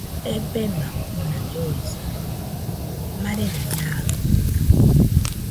Ebema ona lloisa, marena naɨtɨo.